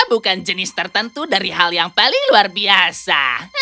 bukan jenis tertentu dari hal yang paling luar biasa